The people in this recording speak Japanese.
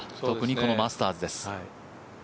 特にこのマスターズです。